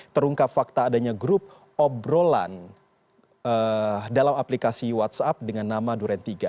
terungkap fakta adanya grup obrolan dalam aplikasi whatsapp dengan nama duren tiga